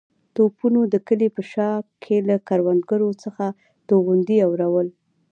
توپونو د کلي په شا کې له کروندو څخه توغندي اورول.